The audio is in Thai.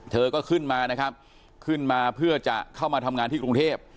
เธอก็ขึ้นมานะครับขึ้นมาเพื่อจะเข้ามาทำงานที่กรุงเทพ